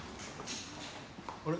・あれ？